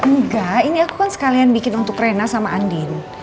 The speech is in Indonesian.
enggak ini aku kan sekalian bikin untuk rena sama andin